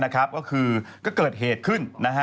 ก็เกิดเหตุขึ้น